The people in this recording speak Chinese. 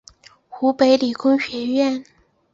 湖北理工学院